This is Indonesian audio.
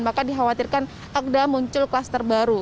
maka dikhawatirkan ada muncul klaster baru